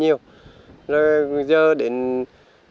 cho lượng nội lòng